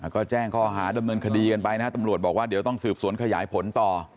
ก็แจ้งข้อหาดำเนินคดีกันไปนะฮะตำรวจบอกว่าเดี๋ยวต้องสืบสวนขยายผลต่อ